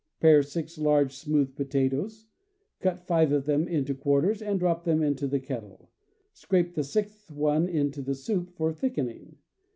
Pare six large, smooth potatoes, cut five of them into quar ters, and drop them into the kettle; scrape the sixth one into the soup for thickening.